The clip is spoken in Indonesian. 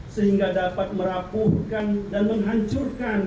sehingga dapat merapuhkan dan menghancurkan